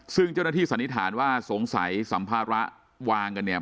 ซึ่งเจ้าหน้าที่สันนิษฐานว่าสงสัยสัมภาระวางกันเนี่ย